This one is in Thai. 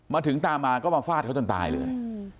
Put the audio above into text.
มาถึงตามมาก็มาฟาดเขาจนตายเลย